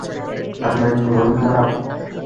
আপনার কি মন খারাপ?